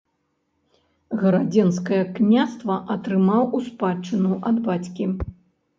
Гарадзенскае княства атрымаў у спадчыну ад бацькі.